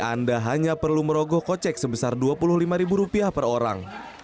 anda hanya perlu merogoh kocek sebesar dua puluh lima ribu rupiah per orang